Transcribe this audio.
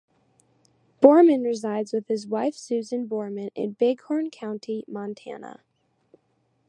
Borman resides with his wife Susan Borman in Big Horn County, Montana.